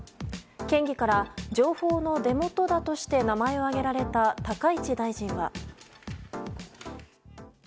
県議から情報の出元だとして名前を挙げられた高市大臣は。